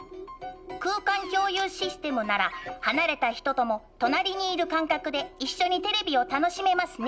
空間共有システムなら離れた人とも隣にいる感覚で一緒にテレビを楽しめますね。